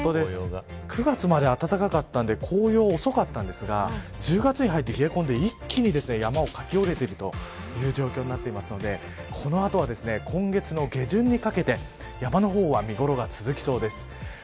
９月まで暖かかったので紅葉が遅かったのですが１０月に入って冷え込んで一気に山を駆け降りていくという状況になっているのでこの後は今月の下旬にかけて山の方は見頃が続きそうです。